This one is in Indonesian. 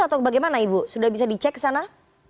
atau bagaimana ibu sudah bisa dicek ke sana